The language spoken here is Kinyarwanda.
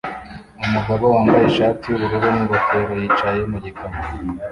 Umugabo wambaye ishati yubururu n'ingofero yicaye mu gikamyo